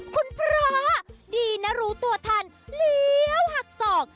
คุณเพราะดีนะรู้ตัวทันเลี้ยวหักศอก